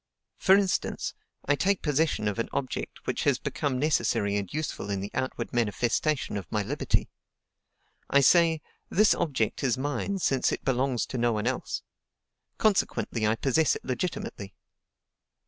For instance, I take possession of an object which has become necessary and useful in the outward manifestation of my liberty. I say, 'This object is mine since it belongs to no one else; consequently, I possess it legitimately.'